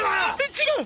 違う！